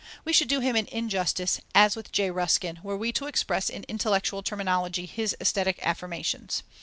We should do him an injustice (as with J. Ruskin) were we to express in intellectual terminology his aesthetic affirmations.